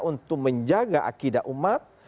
untuk menjaga akidah umat